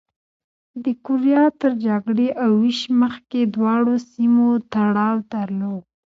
د کوریا تر جګړې او وېش مخکې دواړو سیمو تړاو درلود.